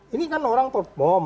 ini kan orang perform